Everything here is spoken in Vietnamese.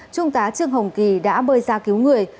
trung tá trương hồng kỳ đã bơi ra cứu người